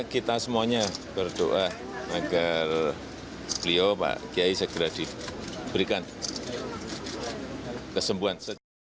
kita semuanya berdoa agar beliau segera diberikan kesembuhan